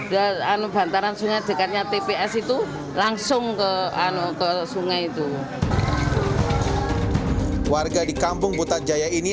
dan bantaran sungai dekatnya tps itu langsung ke anoto sungai itu warga di kampung putrajaya ini